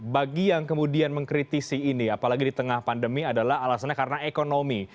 bagi yang kemudian mengkritisi ini apalagi di tengah pandemi adalah alasannya karena ekonomi